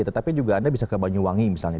tetapi juga anda bisa ke banyuwangi misalnya